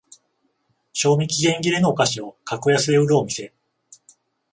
賞味期限切れのお菓子を格安で売るお店